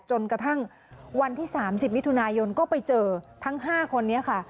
จนกระทั่งวันที่๓๐มิถุนายนก็ไปเจอทั้ง๕คนนี้ค่ะ